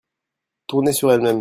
Tourner sur elle-même